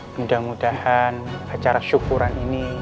mudah mudahan acara syukuran ini